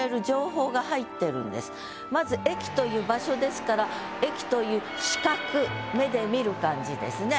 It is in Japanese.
まず駅という場所ですから駅という視覚目で見る感じですね。